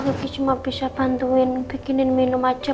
lebih cuma bisa bantuin bikinin minum aja